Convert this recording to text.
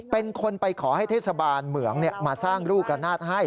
เป็นคนไปขอให้เทศบาลเหมืองมาสร้างลูกอำนาจให้